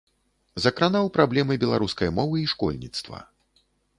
Закранаў праблемы беларускай мовы і школьніцтва.